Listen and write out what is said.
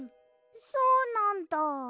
そうなんだ。